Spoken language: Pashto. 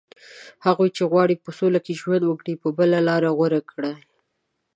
هغوی چې غواړي په سوله کې ژوند وکړي، به بله لاره غوره کړي